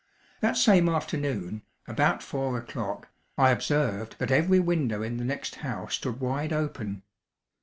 That same afternoon, about four o'clock, I observed that every window in the next house stood wide open.